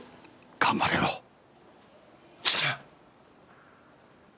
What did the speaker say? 頑張れよ鶴。